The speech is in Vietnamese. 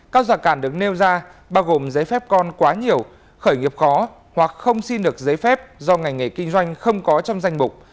các giả cản được nêu ra bao gồm giấy phép con quá nhiều khởi nghiệp khó hoặc không xin được giấy phép do ngành nghề kinh doanh không có trong danh mục